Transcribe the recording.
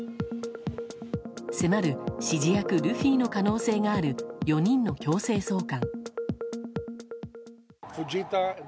迫る指示役ルフィの可能性がある４人の強制送還。